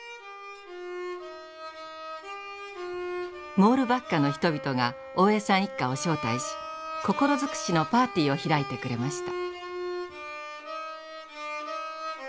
モールバッカの人々が大江さん一家を招待し心尽くしのパーティーを開いてくれました。